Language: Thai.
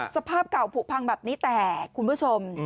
สภาพเก่าผูกพังแบบนี้แต่คุณผู้ชม